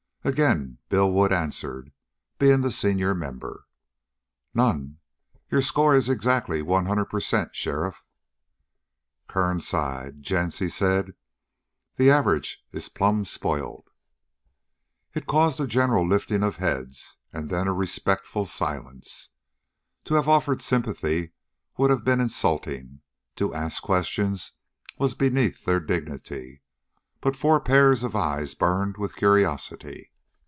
Again Bill Wood answered, being the senior member. "None. Your score is exactly one hundred percent, sheriff." Kern sighed. "Gents," he said, "the average is plumb spoiled." It caused a general lifting of heads and then a respectful silence. To have offered sympathy would have been insulting; to ask questions was beneath their dignity, but four pairs of eyes burned with curiosity.